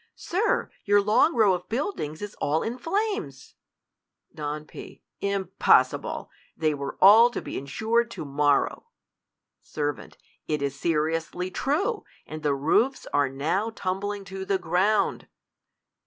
Sir, your long row of buildings is all in flames ! Don P. Impossible !— They were all to be insured to morrow. Ser, It is seriously true ! and the roofs are now tumbling to the ground